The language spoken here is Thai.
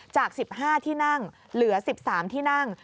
จาก๑๕ที่นั่งเหลือ๑๓ที่นั่ง